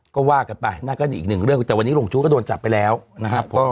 ก็ว่ากันไปนั่นก็อีกหนึ่งเรื่องแต่วันนี้ลงจู้ก็โดนจับไปแล้วนะครับ